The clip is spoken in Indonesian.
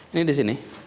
ini di sini